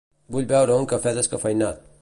Vull beure un cafè descafeïnat.